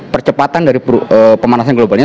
percepatan dari pemanasan globalnya